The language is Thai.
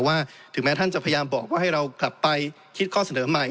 ถึงแม้ท่านจะพยายามบอกว่าให้เรากลับไปคิดข้อเสนอใหม่